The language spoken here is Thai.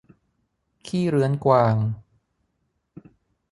ขี้เรื้อนกวาง